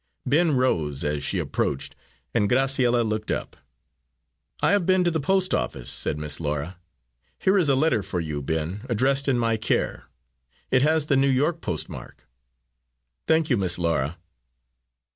Ben rose as she approached, and Graciella looked up. "I have been to the post office," said Miss Laura. "Here is a letter for you, Ben, addressed in my care. It has the New York postmark." "Thank you, Miss Laura."